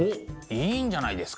いいんじゃないですか？